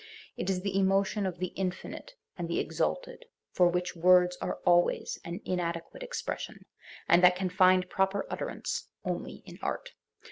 It is the emotion of the infinite and the exalted, for which words are always an inadequate expression, and that can find proper utter ance only in art.